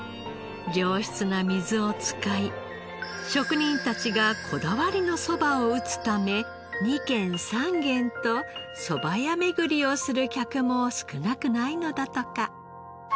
良質な水を使い職人たちがこだわりのそばを打つため２軒３軒とそば屋巡りをする客も少なくないのだとか。